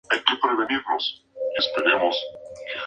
No todas las críticas del libro fueron positivas.